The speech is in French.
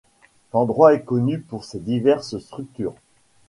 L'endroit est connu pour ses diverses structures.